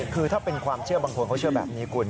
คือถ้าเป็นความเชื่อบางคนเขาเชื่อแบบนี้คุณ